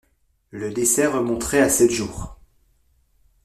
Le décès remonterait à sept jours.